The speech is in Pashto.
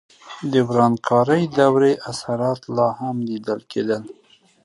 د ورانکارې دورې اثرات لا هم لیدل کېدل.